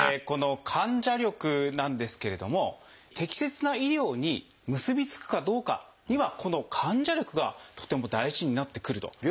この患者力なんですけれども適切な医療に結びつくかどうかにはこの患者力がとても大事になってくると。